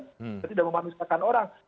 kita tidak memanusakan orang